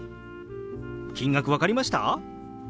金額分かりました？